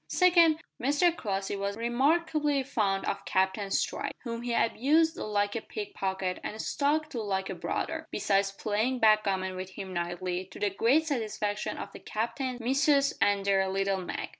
Second, Mr Crossley was remarkably fond of Captain Stride, whom he abused like a pick pocket and stuck to like a brother, besides playing backgammon with him nightly, to the great satisfaction of the Captain's "missus" and their "little Mag."